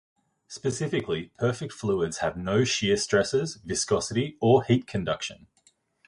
Specifically, perfect fluids have no shear stresses, viscosity, or heat conduction.